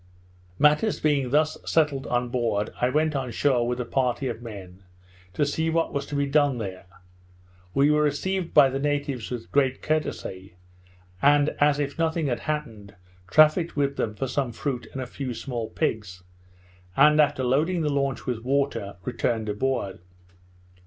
Matters being thus settled on board, I went on shore with a party of men, to see what was to be done there. We were received by the natives with great courtesy; and, as if nothing had happened, trafficked with them for some fruit and a few small pigs; and after loading the launch with water, returned aboard.